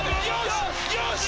よし！